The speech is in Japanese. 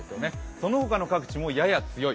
その他の各地も、やや強い。